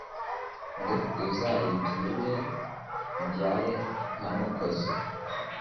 Ngo uzayibyirure ibyare nka Mukozi